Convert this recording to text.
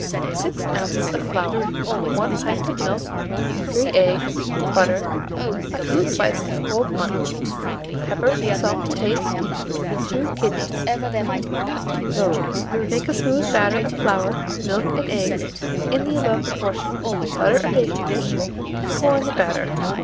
6 oz. of flour, 1 pint of milk, 3 eggs, butter, a few slices of cold mutton, pepper and salt to taste, 2 kidneys. Mode. Make a smooth batter of flour, milk, and eggs in the above proportion; butter a baking dish, and pour in the batter.